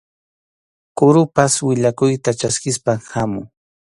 Kurapas willakuyta chaskispas hamun.